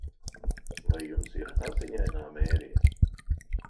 Vai jums ir Asiņainā Mērija?